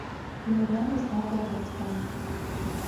Имариамызт Аҟәа аҭарцәра.